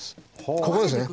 ここですね